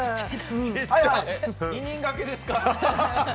２人掛けですか？